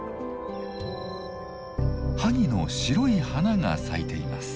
ハギの白い花が咲いています。